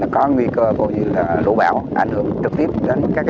có nguy cơ lũ bão ảnh hưởng trực tiếp đến các hộ dân